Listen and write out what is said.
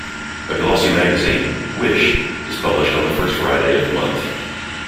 A glossy magazine, "Wish", is published on the first Friday of the month.